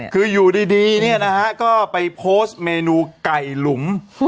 คืออยู่ดีเนี่ยนะฮะก็ไปโพสต์เมนูไก่หลุม